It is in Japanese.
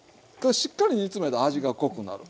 しっかり煮詰めたら味が濃くなる。